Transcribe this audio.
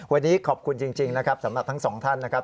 วันนี้ขอบคุณจริงนะครับสำหรับทั้งสองท่านนะครับ